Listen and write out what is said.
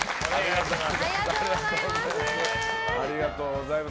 ありがとうございます。